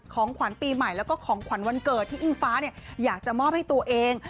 ของขวัญปีใหม่แล้วก็ของขวัญวันเกิดที่อิงฟ้าอยากจะมอบให้ตัวเอง